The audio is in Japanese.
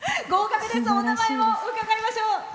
お名前を伺いましょう。